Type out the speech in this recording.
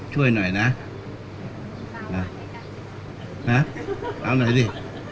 ช่วยหน่อยนะนะเอาหน่อยดิ